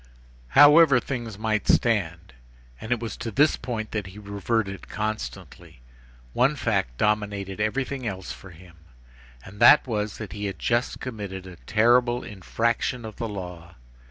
However things might stand,—and it was to this point that he reverted constantly,—one fact dominated everything else for him, and that was, that he had just committed a terrible infraction of the law.